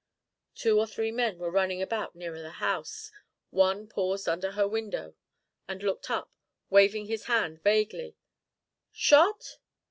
Two or three men were running about nearer the house. One paused under her window, and looked up, waving his hand vaguely. "Shot?